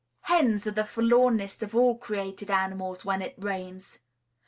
Hens are the forlornest of all created animals when it rains.